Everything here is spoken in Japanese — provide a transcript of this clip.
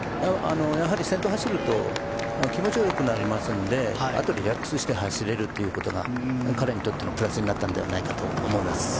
やはり先頭を走ると気持ちよくなりますのでリラックスして走れることが彼にとってもプラスになったのではないかと思います。